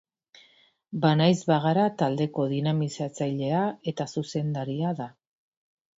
Banaiz Bagara taldeko dinamizatzailea eta zuzendaria da.